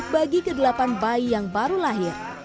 bagi kedelapan bayi yang baru lahir